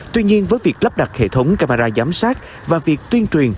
tuy nhiên với việc lắp đặt hệ thống camera giám sát và việc tuyên truyền